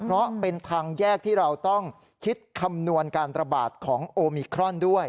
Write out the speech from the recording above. เพราะเป็นทางแยกที่เราต้องคิดคำนวณการระบาดของโอมิครอนด้วย